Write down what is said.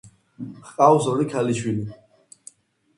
ჰყავს ორი ქალიშვილი.